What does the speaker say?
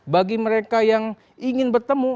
bagi mereka yang ingin bertemu